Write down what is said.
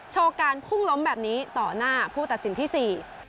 โชว์การพุ่งล้มแบบนี้ต่อหน้าผู้ตัดสินที่สี่